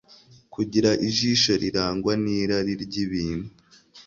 kugira ijisho rirangwa n'irari ry'ibintu